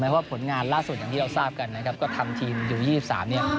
ว่าผลงานล่าสุดอย่างที่เราทราบกันนะครับก็ทำทีมอยู่๒๓เนี่ย